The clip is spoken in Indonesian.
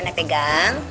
enak deh gang